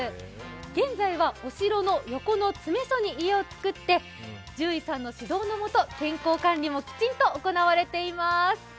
現在はお城の横の詰め所に家を造って獣医さんの指導の下、健康管理もきちんと行われています。